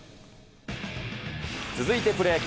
続いてプロ野球。